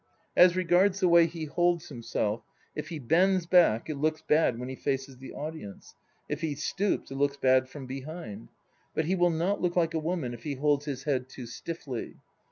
U the way he holds himself if he bends back, it looks bad ulu n he faces the audience; if he stoops, it looks bad from behind. But he will not look like a woman if he holds his head too stiffly.